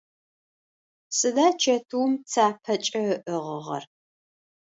Сыда чэтыум цапэкӏэ ыӏыгъыгъэр?